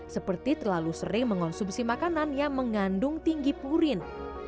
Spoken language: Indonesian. seperti terlalu sering mengonsumsi makanan yang mengandung tinggi purin